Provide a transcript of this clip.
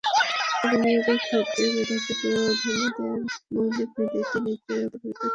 তবে নিয়োগের ক্ষেত্রে মেধাকে প্রাধান্য দেওয়ার মৌলিক নীতিটি নিশ্চয়ই অপরিবর্তিত থাকবে।